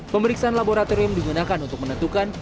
pemeriksaan laboratorium digunakan untuk menentukan